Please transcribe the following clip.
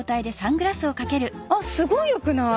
あっすごいよくない？